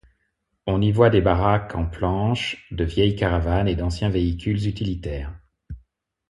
On y voit des baraques en planches, de vieilles caravanes et d'anciens véhicules utilitaires.